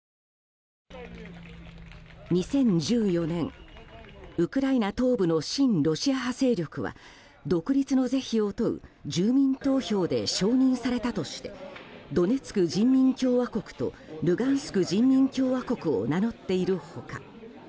２０１４年、ウクライナ東部の親ロシア派勢力は独立の是非を問う住民投票で承認されたとしてドネツク人民共和国とルガンスク人民共和国を名乗っている他